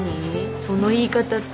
その言い方って。